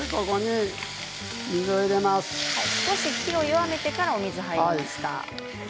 少し火を弱めてから水を入れました。